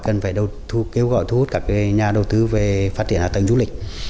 cần phải kêu gọi thu hút các cái nhà đầu tư về phát triển hạ tầng du lịch